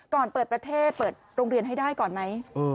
ก่อนเปิดประเทศเปิดโรงเรียนให้ได้ก่อนไหม